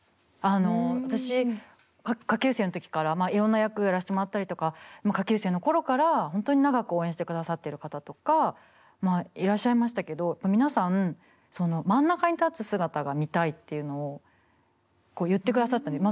私下級生の時からいろんな役やらせてもらったりとか下級生の頃から本当に長く応援してくださってる方とかまあいらっしゃいましたけど皆さん真ん中に立つ姿が見たいっていうのをこう言ってくださったんです。